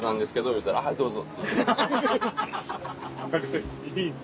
言うたら「どうぞ」。